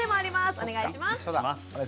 お願いします。